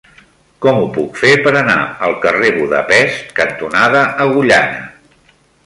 Com ho puc fer per anar al carrer Budapest cantonada Agullana?